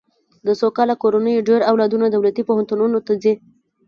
د سوکاله کورنیو ډېر اولادونه دولتي پوهنتونونو ته ځي.